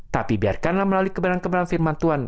tapi biarkanlah melalui kebenaran kebenaran firman tuhan